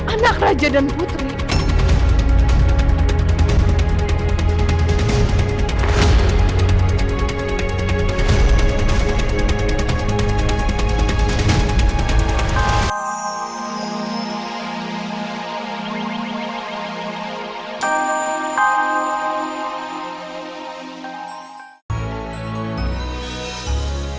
anak raja dan pertama